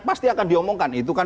pasti akan diomongkan itu kan